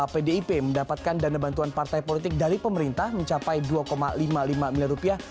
pdip mendapatkan dana bantuan partai politik dari pemerintah mencapai dua lima puluh lima miliar rupiah